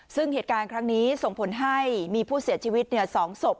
ซึ่งเหตุการณ์ครั้งนี้ส่งผลให้มีผู้เสียชีวิต๒ศพ